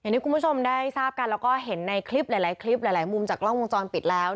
อย่างนี้คุณผู้ชมได้ทราบกันและเห็นจะในคลิปหลายมุมจากกล้องวงจรปิดแล้ว